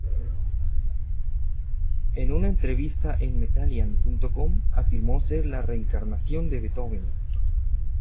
En una entrevista en metallian.com, afirmó ser la reencarnación de Beethoven.